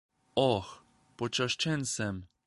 Oh... počaščen sem.